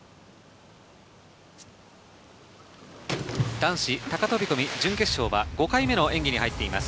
男子高飛込準決勝は５回目の演技に入っています。